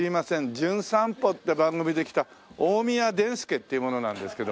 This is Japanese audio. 『じゅん散歩』って番組で来た大宮デン助という者なんですけど。